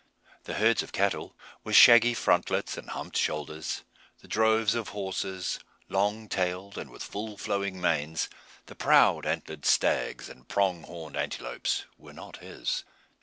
The herds of cattle, with shaggy frontlets and humped shoulders the droves of horses, long tailed and with full flowing manes the proud antlered stags, and prong horned antelopes, were not his.